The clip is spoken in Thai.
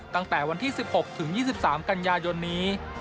ตั้งแต่วันที่๑๖ถึง๒๓กันยายนนี้